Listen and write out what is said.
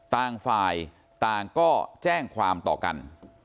ต่างฝ่ายต่างก็แจ้งความต่อกัน